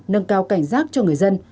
nâng cao cảnh giác cho người dân